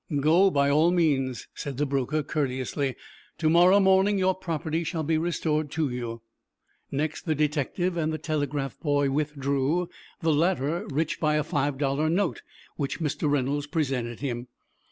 "Go, by all means," said the broker, courteously. "To morrow morning your property shall be restored to you." Next the detective and the telegraph boy withdrew, the latter rich by a five dollar note, which Mr. Reynolds presented him.